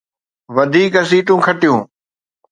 وڌيڪ سيٽون کٽيون